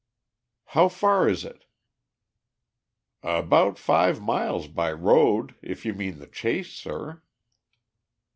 "How far is it?" "About five miles by road, if you mean the Chase, sir."